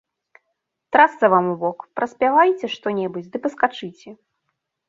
Трасца вам у бок, праспявайце што-небудзь ды паскачыце!